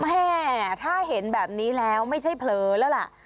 แม่ถ้าเห็นแบบนี้แล้วไม่ใช่เผลอแล้วล่ะ